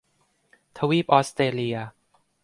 ทวีปออสเตรเลีย